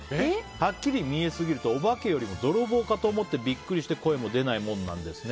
はっきり見えすぎるとお化けよりも泥棒かと思ってビックリして声も出ないものなんですね。